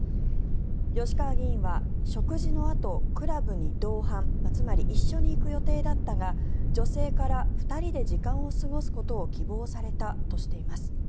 吉川議員は食事のあとクラブに同伴つまり一緒に行く予定だったが女性から２人で時間を過ごすことを希望されたとしています。